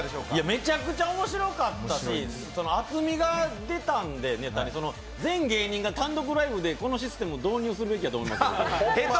めちゃくちゃ面白かったし、厚みが出たんで全芸人が単独ライブでこのシステムを導入するべきだと思います。